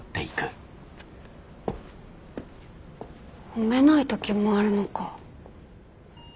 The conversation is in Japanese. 褒めない時もあるのか。